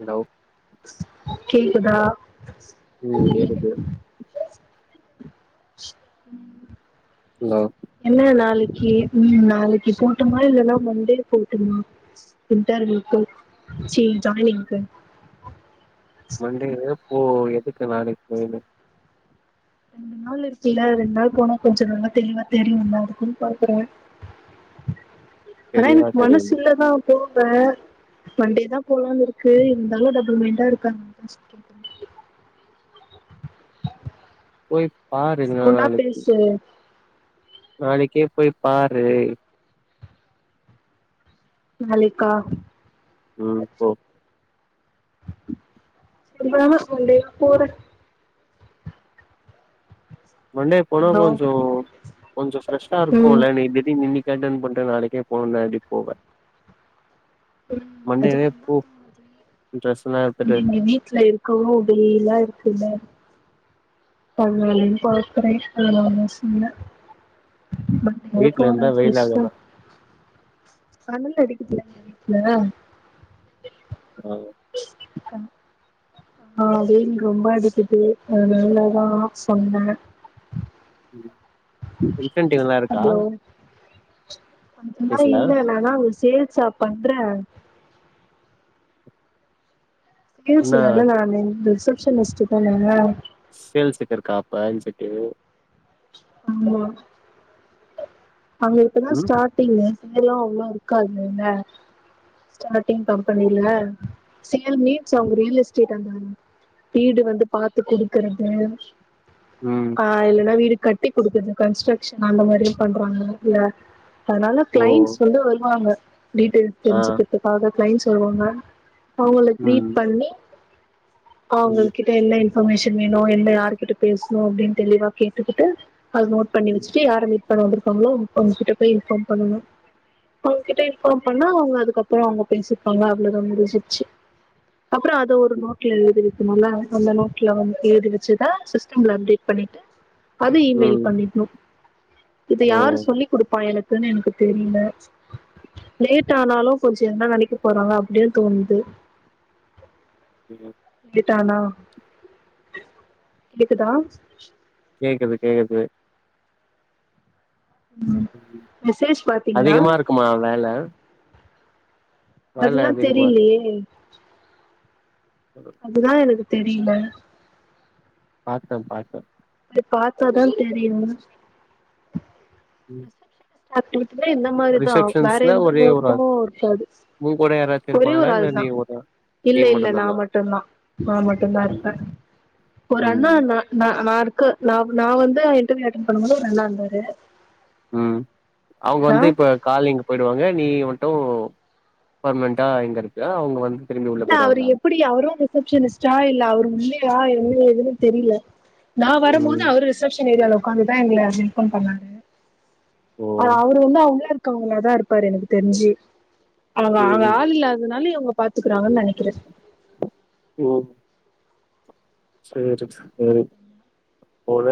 Hello கேக்குதா ம் கேக்குது [unintelligible] ஹலோ என்ன நாளைக்கி ம் நாளைக்கி போட்டுமா இல்லன்னா மண்டே போட்டுமா இன்டெர்வியூக்கு சி ஜாயின்க்கு மண்டேவே போ எதுக்கு நாளைக்கு போயினு ரெண்டு நாள் இருக்குல்லா ரெண்டு நா போனா கொஞ்ச நல்லா தெளிவா தெரியுந்த அதுக்குன் பாக்குற ஆனா தெளிவா எனக்கு மனசு தெரியுது இல்லதா போவ மண்டே தா போலாம்ன்னு இருக்கு இருந்தாலு டபுள்மைண்டா இருக்கா போய் பாரு இல்னா சவுண்டா நாளைக்கி பேசு நாளைக்கே போய் பாரு நாளைக்கா ம் போ [unintelligible] சொலிறியா போரே மண்டே போனா ஹலோ கொஞ்சோ கொஞ்சோ ப்ரெஷ்ஷா இருக்கு ம் இல்லை நீ திடீன் இன்னிக் கடன் பண்டா நாளைக்கே போணுல்ல அதுக் போவ அது மண்டேவே போ ட்ரெஸ் எல்லா எடுத்துட்டு இங்க வீட்டுலா இருக்கவோ அப்டியேல்லா‌ இருக்குலா பண்லாமேன் பாக்குரே அதனால தா சொன்னே பாய் எடுக்க வீட்ல வேணா இருந்தா வெயில் ஆகுதா சிஸ்டர் அனல் அடிக்குதுல வீட்ல அ ஆ வெயில் ரொம்ப அடிக்குது அதனால ஆ சொன்னே இன்சடியு எதாவது இருக்கா ஹலோ அதெல்லா ஆஃபீஸ்ல இல்ல நானா அங்க சேல்சா பண்றே என்னா கேசிலல்லா நா ரிசெப்ஷனிஸ்ட்டு தான சேல்சுக்கு இருக்கா அப்ப இன்சென்டிவ் ஆமா அங்க இப்பதா ம் ஸ்டார்ட்டிங்கு சரியா அவ்ளவு இருக்காதுல்ல ஸ்டார்ட்ங் கம்பெனில சேல் மீட்ஸ் அவுங்க ரியல் எஸ்டேட் அந்தாங்க வீடு வந்து பாத்து குடுக்கறது உம் அ இல்லன்னா வீடு கட்டி குடுக்குறது கன்ஸ்ட்ரக்ஷன் அந்த மாதிரியு பண்றாங்க இல்ல அதனால ஓ கிளைண்ட்ஸ் வந்து வருவாங்க டீட்டெயில்ஸ் ஆ தெரிஞ்சுக்கிறதுக்காக கிளைண்ட்ஸு வருவாங்க அவுங்கள கிரீட் ம் பண்ணி ம் அவுங்குளுக்கு என்ன இன்ஃபர்மேஷன் வேணோ என்ன யாருகிட்ட பேசுணோ அப்டின்னு தெளிவா கேட்டுக்கிட்டு அது நோட் பண்ணி வெச்சுட்டு யாரரு மீட் பண்ண விருக்காங்களோ அவுங்ககிட்ட போய் இன்ஃபார்ம் பண்ணனோ அவுங்ககிட்ட இன்ஃபார்ம் பண்ணா அவுங்க அதுக்கப்புறோ அவுங்க பேசியிப்பாங்க அவ்வளோதா முடிஞ்சிச்சு அப்புறோ அத ஒரு ம் நோட்ல எழுது னோல்ல அந்த நோட்ல வந்து எழுதி வெச்சுதா சிஸ்டம்ல அப்டேட் பண்ணிட்டு அது இ மெயில் ம். பண்ணீட்ணோ இத ஓ! யாரு சொல்லி் குடுப்பா எனக்குன்னு எனக்கு தெரீல லேட் ஆனாலு கொஞ்சோ என்ன நெனைக்க போறாங்க அப்டியு தோணுது உம் இதுக்குதானா இதுக்குதா கேக்குது கேக்குது மெசேஜ் பாத்தீங்களா அதிகமா இருக்குமா வேல வேல அதுலா அதிகமா தெரிலயே பர அதுதா எனக்கு தெரில பாத்தே பாத்தே அது பாத்தாதா தெரியு ம். ஆக்டீவிட்டீனா இந்த மாரிதா வேற எந்த ஓர்க்கோ இருக்காது ஊங் கூட யாராச் ஒரே ஒரு ஆள் தா இல்ல இல்ல நா தானா? மட்டுந்தா நா மட்டுந்தா ம். இருப்ப ஒரு அண்ணா ம், நா நா நா இருக்க நா நா வந்து இன்டர்வியூ அட்டண்ட் பண்ணு போது ஒரு அண்ணா இந்தாரு ம் அவுங்க வந்து இப்ப காலி இங்க போயிடுவாங்க நீ மட்டு பர்மனன்ட்டா இங்க இருக்க அவுங்க வந் என்ன அவரு எப்டி அவரோ ரிசப்ஷனிஸ்ட்டா இல்ல அவரு உள்ளே வா என்ன எதுனு தெரீல நா ம். வரம்போது அவரு ரிசப்ஷன் ஏரியால ஒக்காந்துதா எங்கள வெல்கம் பண்ணாரு ஓ! அ அவரு வந்து உள்ள இருக்கவங்களாதா இருப்பாரு எனக்கு தெரிஞ்சி அவுங்க அங்க ம். ஆள் இல்லாதனாலே இவுங்க பாத்துக்குறாங்கன்னு நெனைக்கிறே ம் சேரி சேரி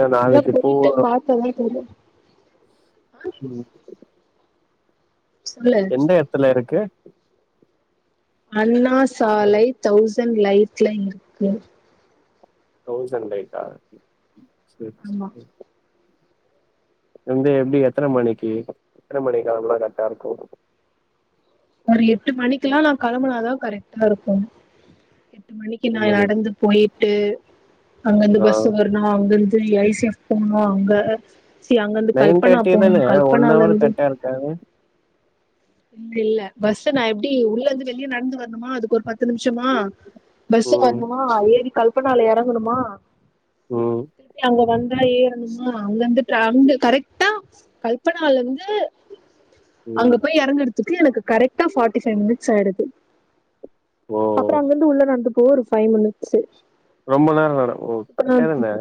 அங்க போயிட்டு பாத்தாதா தெரியு ம் சொல்லு எந்த எடத்தல இருக்கு அண்ணா சாலை தௌசண்ட் லைட்ல இருக்கு தெளசண்ட் லைட்டா சேர் ஆமா சேரி எங்க எப்டி எத்தன மணிக்கு எத்தன மணிக்கு கெளம்னா கரெட்டா இருக்கும் ஒரு எட்டு மணிக்குலா நா களம்பனாதா கரெக்ட்டா இருக்கும் எட்டு மணிக்கு நா நடந்து போயிட்டு அங்கிருந்து ஆ பஸ்ஸு வரு இன்னமோ அங்க இருந்து ஐ சி எப் போனு அங்க சி அங்கிருந்து நைன் கல்பனா தேர்ட்டி போனு தான ஒன் ஹவர் கல்பனாலருந்து கரெக்டா இருக்கா இல்ல இல்ல பஸ் நா எப்டி உள்ள இருந்து வெளியே நடந்து வரணுமா அதுக்கு ஒரு பத்து நிம்ஷமா பஸ் ம் வரணுமா அது ஏறி கல்பனால எறங்கணுமா ம் திருப்பி அங்க வந்தா ஏறனு மா அங்க இருந்து ட்ராவலிங் கரெக்ட்டா கல்பனாலருந்து அங்க ம் போயி எறங்கறதுக்கு எனக்கு கரெக்டா ஃபாட்டி ஃபைவ் மினிட்ஸ் ஆயிருது ஓ அப்றோ அங்கிருந்து உள்ள நடந்து போவோ ஒரு ஃபை மினிட்ஸ்சு ரொம்ப நேரோ இல்லடா ஓ கிட்டதானே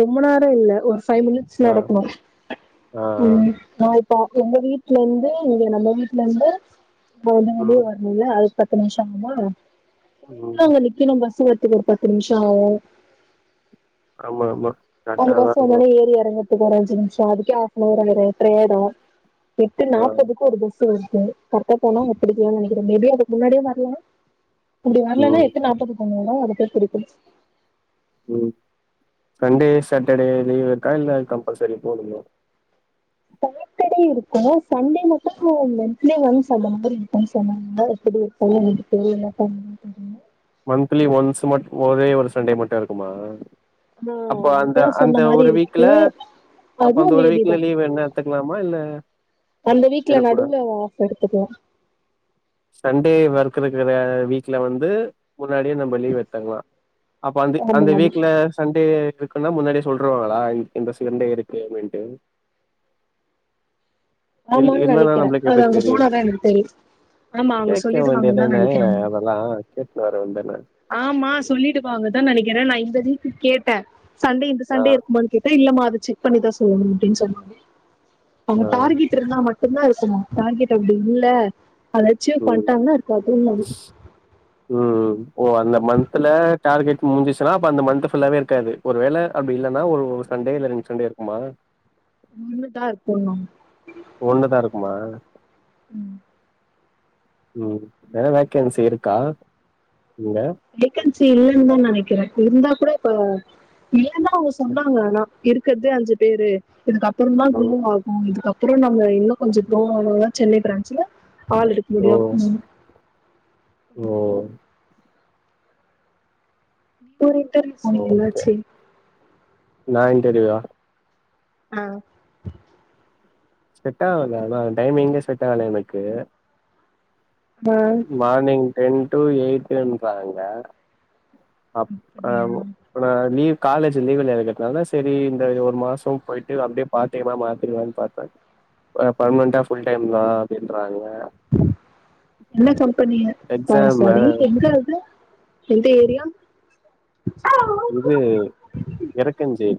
ரொம்ப நேரோ இல்ல ஒரு ஃபை மினிட்ஸ் நடக்கணு ஆ ம் நா இப்போ எங்க வீட்ல இருந்து இங்க நம்ம வீட்ல இருந்து போய்ந்த நடே ம் வரனுல்ல அது பத்து நிம்ஷோ ஆகுமா கரட்டா ம் அங்க நிக் கினு பஸ்ஸு வர்த்துக்கு ஒரு பத்து நிம்ஷோ ஆவு ஆமா ஆமா அவுங்க கரெக்டாதா பஸ்ஸு இருக்கு வந்தோனே ஏறி எறங்க துக்கு ஒரு அஞ்சி நிம்ஷோ அதுக்கே ஹாஃப்நவர் ஆய்ரு எட்ரா ஆய்டு எட்டு ஆ நாப்பதுக்கு ஒரு பஸ் ஸு வருது கரெட்டா போனா அங்க புடிக்கலானு நெனக்கிற மேபி அதுக்கு முன்னாடியே வரலா அப்டி வரலன்னா ம் எட்டு நாப்பதுக்கு ஒன்னு வரும் அத போய் பிடிப்பே ம் சண்டே சாட்டர்டே லீவ் இருக்கா இல்ல கம்பல்சரி போனுமா சாட்ட டே இருக்கும் சண்டே மட்டும் மன்திலி ஒன்ஸ் அந்த மாறி இருக்குன் சொன்னாங்க எப்டி இல்ல எனக்கு தெரியலப்பா மன்த்லி ஒன்ஸ் மட் ஒரே ஒரு சண்டே மட்டும் இருக்குமா ஆ அப்ப அந்த அப்டித்தா சொன்ன அந்த மாரி ஒரு இருக்கு வீக்ல அப்ப அதுவு அந்த ஒரு வீக்ல மேபிதா லீவ் வேன்ன எத்துக்கலாமா இல்ல அந்த வீக்ல எடுக்கூடா நடுவுல ஆஃப் எடுத்துக்கலா சண்டே வொர்க்கு இருக்கிற வீக்ல வந்து முன்னாடியே நம் ப லீவு எடுத்துகளா அப்ப அந்தி ஆமா அந்த ஆமா வீக்ல சண்டே குனா முன்னாடே சொல்ருவாங்களா இ இந்த சண்டே இருக்கு அப்டின்ட்டு இல் ஆமான்னு இல்லன்னா நெனைக்கிறே நம்பளுக்கு அது எப்டி அங்க தெரியும் போனாதா எனக்கு தெரியு ஆமா அவங்க கேக்க சொல்லிடுவாங்கன்னு தா வேண்டியதான நெனைக்கிறே அதெல்லா கேட்னு வர வேண்டெனே ஆமா சொல்லிடுவாங்க தா நெனைக்கிறேன் நான் இந்த வீக்கு கேட்ட சண்டே இந்த ஆ சண்டே இருக்குமான்னு கே ட்ட இல்லமா அது செக் பண்ணிதா சொல்லணும் அப்டின் சொன்னாங்க அவங்க ஆ டார்கேட் டுரு இருந்தா மட்டும்தா இருக்குமா டார்கேட் அப்டி இல்ல அத அச்சிவ் ம் பண்ட்டாங்கனா இருக்காதுன்னாங்க [inaudible] ம் ஓ அந்த மன்த்துல டார்கெட் முடிஞ்சுச்சுன்னா அப்ப அந்த மன்த் ஃபுல்லாவே இருக்காது ஒரு வேள அப்டி இல்லன்னா ஒரு ஒரு சண்டே இல்ல ரெண்டு சண்டே இருக்குமா ஒன்னுதா இருக்கோணு ஒன்னுதா இருக்குமா ம் ம் வேற வேக்கன்சி இருக்கா இங்க வேகன்சி இல்லன்னுதா நெனைக்கிறே இருந்தா கூட இப்ப இல்லன்தா அவங்க சொன்னாங்க ஆனா இருக்குறதே அஞ்சு பேரு இதுக்கப்புறந்தா ம் குரோ ஆகு ஆ இதுக்கப்பறோ நம்ம இன்னு கொஞ்சோ குரோவ் ஆனாதா சென்னை பிராஞ்சுல ஆள் எடுக்க ஓ முடியு ஓ ஒரு இன்டெர்வியூ போனிங்ள ஓகே என்னாச்சு நா இன்டர்வியூவா ஆ செட்டாவல ஆனா டைமிங்கே செட்டாகல எனக்கு மார்னிங் டென் டு எயிட்டுன்றாங்க அப் ஆ அப்படியா உ இப்ப நா லீவ் காலேஜ் லீவ்ல இருக்கறதுனால சரி இந்தது ஒரு மாசோ போயிட்டு அப்டியே பா ட்டைமா மாத்திர்லானு பாத்தே ஆனா பர்மனென்டா ஃபுல் டைம்தா அப்டின்றாங்க என்ன கம்பெனி சாரி வேற சாரி எந்த இது எந்த ஏரியா இது எருக்கஞ்சேரி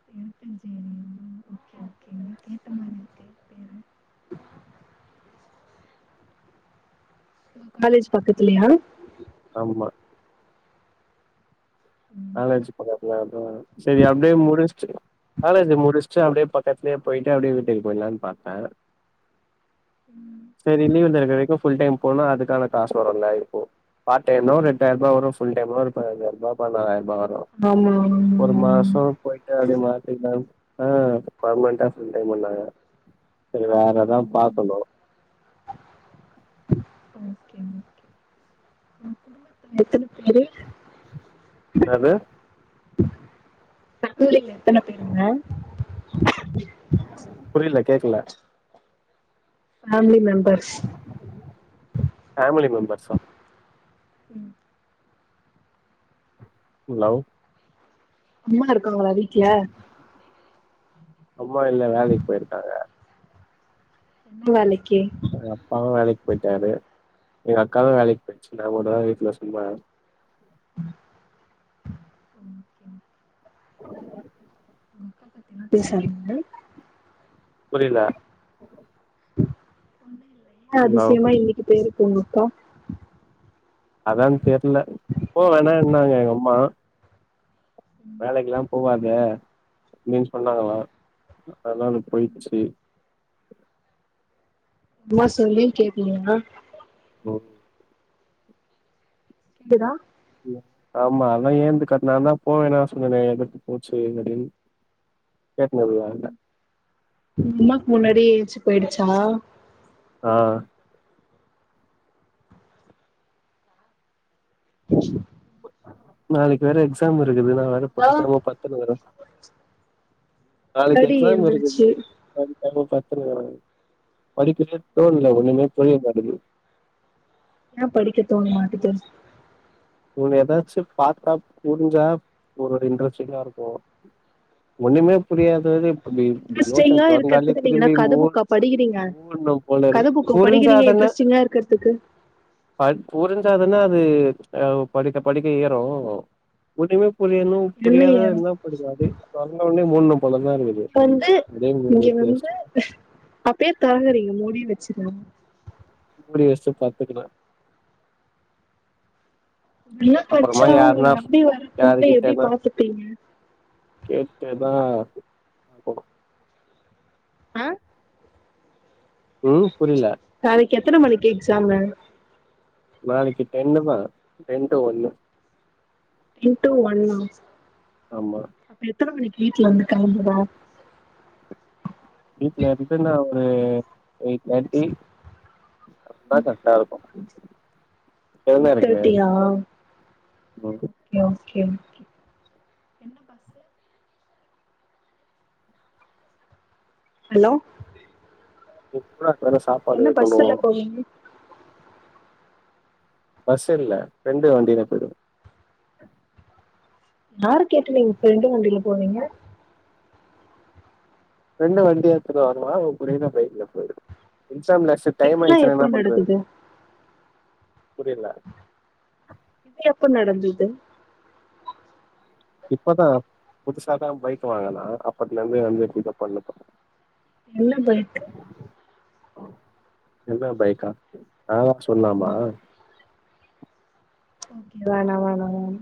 எருக்கஞ்சேரியா ஒங்க காலேஜ் பக்கத்துலயா ஆமா காலேஜ் பக்கதுலதா சரி அப்டியே முடிச்ட்டு காலேஜ் முடிச்சுட்டு அப்டியே பக்கத்துலே போய்ட்டு அப்டியே வீட்டுக்கு போயிடலானு பாத்தே செரி லீவ்ல இருக்க வரைக்கு ஃபுல் டைம் போனா அதுக்கான காசு வருல்ல எதுக்கூ பார்ட் டைம்னா ஒரு எட்டாயிரூபா வரு ஃபுல் டைம்னா ஒரு பதினஞ்சாயிரூபா பதுனாறாயிரூ பா வரு ஆமா ஒரு மாசோ போயிட்டு அப்டியே மாத்திகலாம் ஆ பர்மனன்ட்டா ஃபுல் டைமுன்னாங்க செரி வேறதா பாக்கணு ஓகே ஓகே உங்க குடும்பத்துல எத்தன பேரு என்னது [unintelligible] எத்தன பேருங்க புரியல கேக்கல ஃபேமிலி மெம்பர்ஸ் ஃபேமிலி மெம்பர்ஸா ம் ஹலோ அம்மா இருக்காங்களா வீட்ல அம்மா இல்ல வேலைக் போயிருக்காங்க என்ன வேலைக்கு எங்கப்பாவு வேலைக்கு போயிட்டாரு எங்க அக்காவு வேலைக்கு போயிச்சு நா ஒரு ஆளு வீட்ல சும்மா ம் ஒங்க அக்கா பத்திலா பேச [inaudible] புரியல என்ன ஹலோ அதிசயமா இன்னைக்கு பேய்ர்க்கு ஒங்கக்கா அதா தெர்ல போ வேணானாங்க எங்கம்மா வேலைக்கிலா போவாத அப்டின்னு சொன்னாங்களா ஆனா அது போயிச்சி அம்மா சொல்லியு கேக்கலீயா ஒ இங்கதா ஆமா அதா ஏந்து கத்னாங் நாந்தா போவேனா சொன்னனே எதுக்கு போச்சு அப்டின்னு பேசம்போது வர்ல உங்ம்மாக்கு முன்னாடியே ஏன்ச்சு போயிடுச்சா ஆ [inaudible] நாளக்கி வேற எக்ஸாம் இருக்குது நா வேற படிக்காம பத்துனுருக்கற நாளைக்கி படி எக்ஸாம் இருக்குது எந்திரிச்சு படி நா இன்னு பத்துனுகிற படிக்கவே தோண்ல ஒண்ணுமே புரிய மாட்டேங்கிது ஏ படிக்க தோண் மாட்டுது ம் ஏதாச்சு பாத்தா புரிஞ்சா ஒரு இன்ட்ரெஸ்டிங்கா இருக்கு ஒண்ணுமே புரியாததுப் இன்ட்ரெஸிங்கா இருக்றதுக்கு நீங்க என்ன கத மூட் புக்கா படிக்கிறீங்க மூட்னு போல இருக்கு கத புக்கா படிக்கிறீங்க இன்ட்ரெஸிங்கா இரு க்கற்துக்கு பட் புரிஞ்சாதான அது அ படிக்க படிக்க ஏறு ஒன்னுமே புரியணு என்ன புரியாத ஏறம் என்னாப் படிக்காது தொர்ந்தோனே மூட்ணு போலதா இருக்குது வந்து அப்டே மூடி எத்து வச்சுட் ஏ தொறக்கறீங்க மூடியே வச்சுருங்க முடி வச்ட்டு படுத்துகின இப்டிலா படிச்சா அப்புறமா ஒங்கள யாருன்னா நம்பி வர பொண்ண எப்டி பாத்துப்பீங்க கேட்டனா போ ஆ ம் புரில நாளக்கி எத்தன மணிக்கு எக்ஸாமு நாளக்கி டென்னுதா டென் டூ ஒண்ணு டென் டூ ஒண்ணா ஆமா எத்தன மணிக்கு வீட்லந்து கெளம்புவா வீட்ல இருந்து நா ஒரு எய்ட் தேட்டி கெளம்னா கரட்டா இருக்கு இங்கதான எய்ட் இருக்கு தேட்டியா ஓகே ஓகே ஹலோ மித்ராக்கு வேற சாப்பாடு கொண்டு பஸ்ல போனு என்ன பஸ்ஸு இல்ல ஃப்ரெண்டு வண்டில போயிடுவ யார கேட்டு நீங்க ஃப்ரெண்டு வண்டியில போனீங்க ப்ரெண்டு வண்டி எடுத்துட்டு வருவா அவ கூடயே நா பைக்ல போய்ரவ எக்ஸாம்னஸ் டைம் இதெல்லா ஆயிடுச்சினா என்னா எப்ப பண்றது நடக்குது புரியல இது எப்ப நடந்தது இப்பதா புதுசா தா பைக் வாங்கனா அப்பத்துல இருந்து வந்துட்ருக்க [unintelligible] என்ன பைக்கு என்ன பைக்கா அதலா சொல்லாமா ஓகே வேணா வேணா வேணா